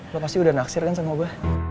lo pasti udah naksir kan sama gue